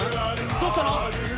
どうしたの？